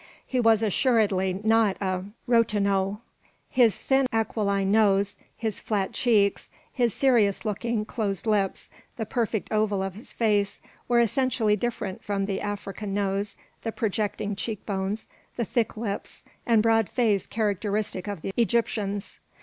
He was assuredly not a Rot'en'no. His thin aquiline nose, his flat cheeks, his serious looking, closed lips, the perfect oval of his face, were essentially different from the African nose, the projecting cheek bones, the thick lips, and broad face characteristic of the Egyptians.